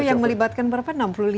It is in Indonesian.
yang melibatkan berapa enam puluh lima